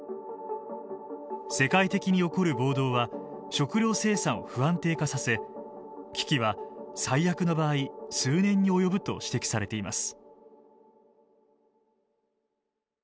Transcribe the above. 世界的に起こる暴動は食料生産を不安定化させ危機は最悪の場合数年に及ぶと指摘されています。